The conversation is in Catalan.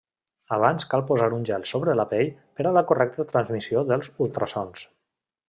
Abans cal posar un gel sobre la pell per a la correcta transmissió dels ultrasons.